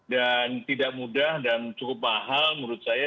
dan tidak mudah dan cukup mahal menurut saya